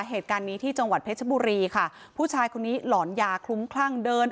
เหตุการณ์นี้ที่จังหวัดเพชรบุรีค่ะผู้ชายคนนี้หลอนยาคลุ้มคลั่งเดิน